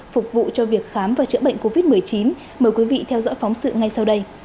phục vụ cho việc khám và chữa bệnh covid một mươi chín mời quý vị theo dõi phóng sự ngay sau đây